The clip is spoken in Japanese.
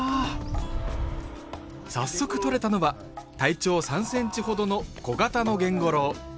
早速とれたのは体長３センチほどのコガタノゲンゴロウ。